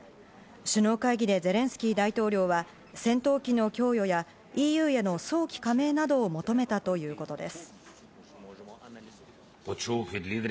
首脳会議でゼレンスキー大統領は戦闘機の供与や、ＥＵへの早期加盟などを求めたということです。